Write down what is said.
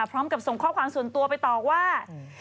พร้อมกับส่งข้อความส่วนตัวไปต่อว่า